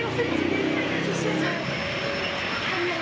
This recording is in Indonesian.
jadi kalau untuk kecilnya kita yang masak sendiri